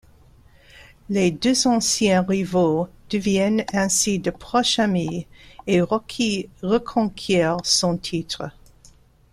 Les deux anciens rivaux deviennent ainsi de proches amis et Rocky reconquiert son titre.